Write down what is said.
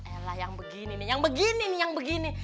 eh lah yang begini nih yang begini nih yang begini